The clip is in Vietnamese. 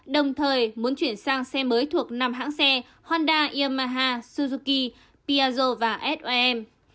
đồng thời muốn chuyển sang xe mới thuộc năm hãng xe honda yamaha suzuki piaggio và som